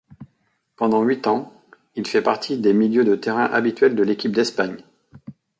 Pendant huit ans, il fait partie des milieux de terrains habituels de l'équipe d'Espagne.